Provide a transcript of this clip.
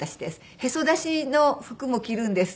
へそ出しの服も着るんです。